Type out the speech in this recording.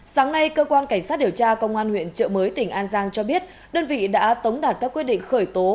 sáng nay cơ quan cảnh sát điều tra công an huyện trợ mới tỉnh an giang cho biết đơn vị đã tống đạt các quyết định khởi tố